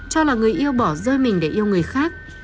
cho là người yêu bỏ rơi mình để yêu người khác